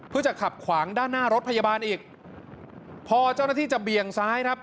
เพื่อจะขับขวางด้านหน้ารถพยาบาลอีกพอเจ้าหน้าที่จะเบี่ยงซ้ายครับ